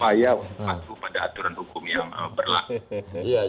upaya untuk patuh pada aturan hukum yang berlaku